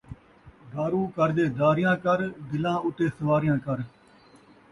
دارو کر دے داریاں کر، دلاں اتے سواریاں کر